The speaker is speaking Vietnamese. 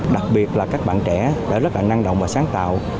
đặc biệt là các bạn trẻ đã rất là năng động và sáng tạo